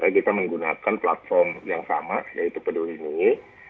kita menggunakan platform yang sama yaitu peduli lindungi